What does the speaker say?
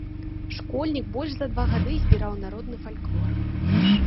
Школьнік больш за два гады збіраў народны фальклор.